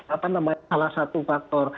apa namanya salah satu faktor